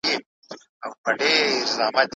ایا ځايي کروندګر وچ زردالو اخلي؟